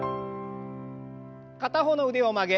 片方の腕を曲げ